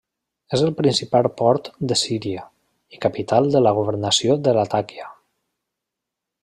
És el principal port de Síria i capital de la governació de Latakia.